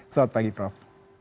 selamat pagi prof